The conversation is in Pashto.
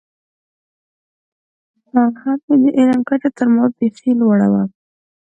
او هم یې د علم کچه تر ما بېخي لوړه وه.